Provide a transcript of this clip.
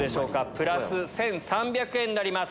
プラス１３００円になります。